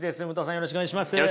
よろしくお願いします。